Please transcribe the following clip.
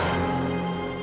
copy datang tega tui